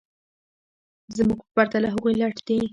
زموږ په پرتله هغوی لټ دي